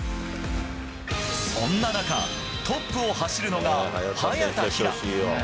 そんな中、トップを走るのが早田ひな。